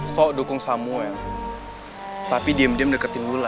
sok dukung samuel tapi diem diem deketin lula